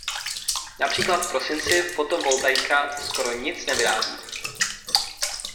Například v prosinci fotovoltaika skoro nic nevyrábí.